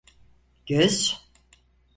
Göz.